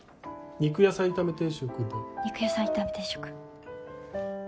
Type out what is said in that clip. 肉野菜炒め定食。